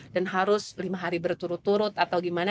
dan harus lima hari berturut turut atau gimana